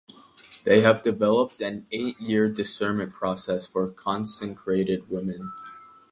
They have developed an eight-year discernment process for consecrated women.